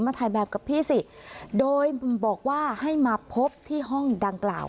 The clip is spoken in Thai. ถ่ายแบบกับพี่สิโดยบอกว่าให้มาพบที่ห้องดังกล่าว